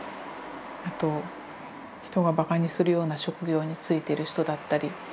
あと人がバカにするような職業に就いてる人だったり。